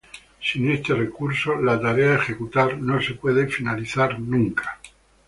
Sin este recurso, la tarea a ejecutar no puede ser nunca finalizada.